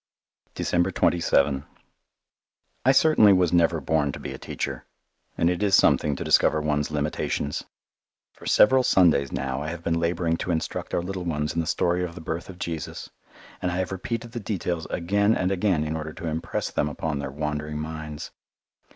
December 27 I certainly was never born to be a teacher and it is something to discover one's limitations. For several Sundays now I have been labouring to instruct our little ones in the story of the birth of Jesus, and I have repeated the details again and again in order to impress them upon their wandering minds.